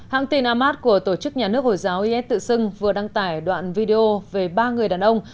hãng tin ahmad của tổ chức nhà nước hồi giáo is tự xưng vừa đăng tải đoạn video về ba người đàn ông